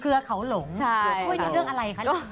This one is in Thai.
เครือเขาหลงช่วยด้วยเรื่องอะไรคะ